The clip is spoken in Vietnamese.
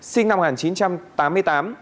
sinh năm một nghìn chín trăm tám mươi tám